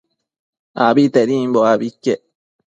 Abitedimbo abi iquec